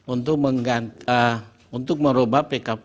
untuk menggantikan untuk merubah perangkat